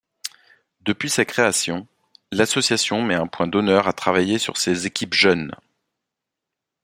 Depuis sa création, l'association met un point d'honneur à travailler sur ces équipes jeunes.